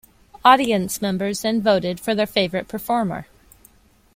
Audience members then voted for their favorite performer.